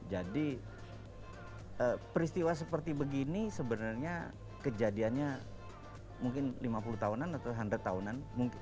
jadi peristiwa seperti begini sebenarnya kejadiannya mungkin lima puluh tahunan atau seratus tahunan